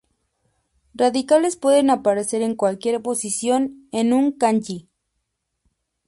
Radicales pueden aparecer en cualquier posición en un Kanji.